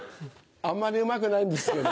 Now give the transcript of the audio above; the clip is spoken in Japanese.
あんまりうまくないんですけど。